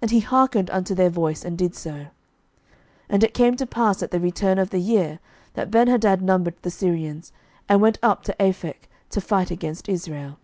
And he hearkened unto their voice, and did so. 11:020:026 And it came to pass at the return of the year, that Benhadad numbered the Syrians, and went up to Aphek, to fight against Israel.